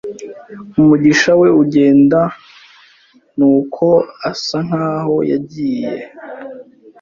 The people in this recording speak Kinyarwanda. umugisha we ugenda nuko asa nkaho yagiye